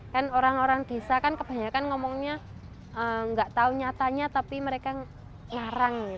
kan orang orang desa kan kebanyakan ngomongnya nggak tahu nyatanya tapi mereka larang